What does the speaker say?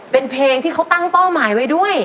เป็นเพลงที่เขาตั้งเป้าหมายไว้ด้วย